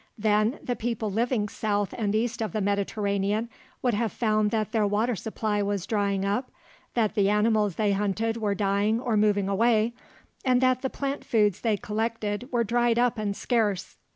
Then the people living south and east of the Mediterranean would have found that their water supply was drying up, that the animals they hunted were dying or moving away, and that the plant foods they collected were dried up and scarce.